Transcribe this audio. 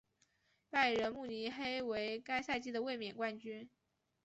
拜仁慕尼黑为该赛季的卫冕冠军。